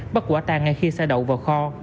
bắt quả tàn ngay khi xa đậu vào kho